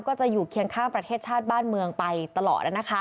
ก็จะอยู่เคียงข้างประเทศชาติบ้านเมืองไปตลอด